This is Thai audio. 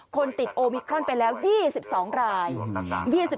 คนติดโอมิครอนไปแล้ว๒๒ราย